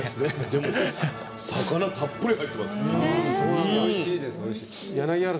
魚たっぷり入ってます。